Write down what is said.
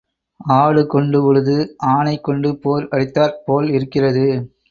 ஆடு கொண்டு உழுது ஆனை கொண்டு போர் அடித்தாற் போல் இருக்கிறது.